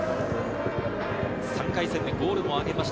３回戦でゴールを挙げました